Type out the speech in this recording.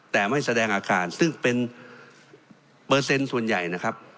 แต่ไม่แสดงอาการซึ่งเป็นเปอร์เซ็นต์ส่วนใหญ่นะครับ